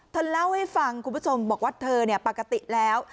เธอเล่าให้ฟังคุณผู้ชมบอกว่าเธอเนี่ยปกติแล้ว